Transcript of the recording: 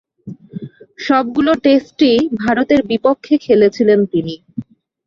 সবগুলো টেস্টই ভারতের বিপক্ষে খেলেছিলেন তিনি।